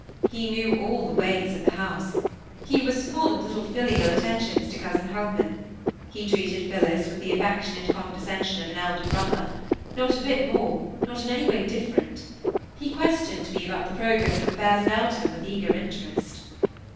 He knew all the ways of the house; he was full of little filial attentions to cousin Holman; he treated Phillis with the affectionate condescension of an elder brother; not a bit more; not in any way different. He questioned me about the progress of affairs in Eltham with eager interest.